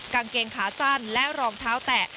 กางเกงขาสั้นและรองเท้าแตะ